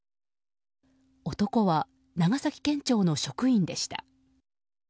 男は長崎県庁の職員でした。